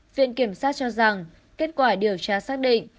viện kiểm sát cho rằng kết quả điều tra xác định